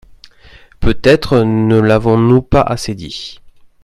Peut-être ne l’avons-nous pas assez dit.